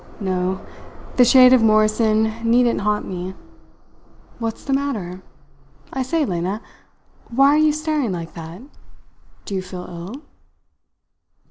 No, the shade of Morrison needn't haunt me. What's the matter? I say, Lena, why are you staring like that? Do you feel ill?"